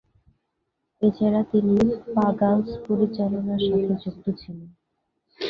এছাড়া, তিনি "পা-গালস" পরিচালনার সাথে যুক্ত ছিলেন।